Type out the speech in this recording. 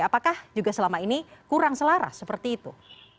apakah juga selama ini kurang selaras seperti itu